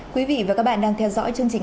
quý vị và các bạn đang theo dõi chương trình